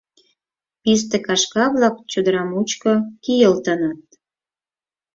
Писте кашка-влак чодыра мучко кийылтыныт...